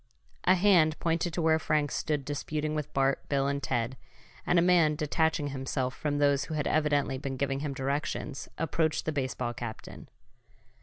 A hand pointed to where Frank stood disputing with Bart, Bill and Ted, and a man, detaching himself from those who had evidently been giving him directions, approached the baseball captain.